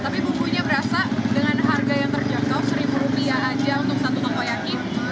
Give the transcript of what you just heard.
tapi bumbunya berasa dengan harga yang terjangkau seribu rupiah aja untuk satu takoyaki